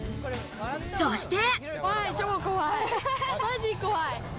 そして。